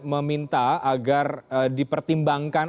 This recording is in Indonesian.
meminta agar dipertimbangkan